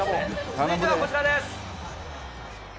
続いてはこちらです。